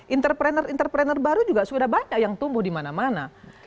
entrepreneur entrepreneur baru juga sudah banyak yang tumbuh di mana mana